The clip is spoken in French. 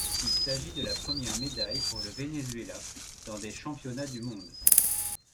Il s'agit de la première médaille pour le Venezuela dans des championnats du monde.